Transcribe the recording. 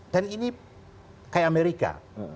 dan ini kayak amerika